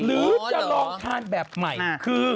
หรือจะลองทานแบบใหม่คือ